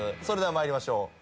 それでは参りましょう。